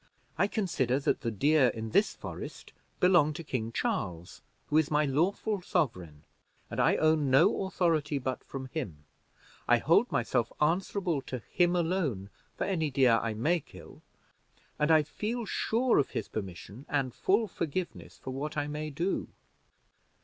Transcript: "I consider that the deer in this forest belong to King Charles, who is my lawful sovereign, and I own no authority but from him. I hold myself answerable to him alone for any deer I may kill, and I feel sure of his permission and full forgiveness for what I may do."